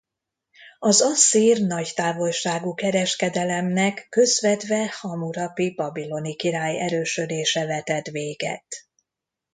Az asszír nagy távolságú kereskedelemnek közvetve Hammurapi babiloni király erősödése vetett véget.